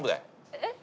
えっ？